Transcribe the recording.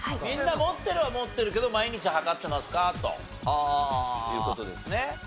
みんな持ってるは持ってるけど毎日量ってますか？という事ですね。